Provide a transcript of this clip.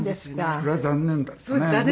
それは残念だったね。